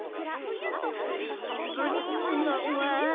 「リンゴリンゴは」